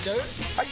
・はい！